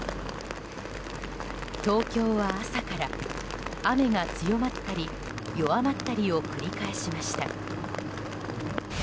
東京は朝から雨が強まったり弱まったりを繰り返しました。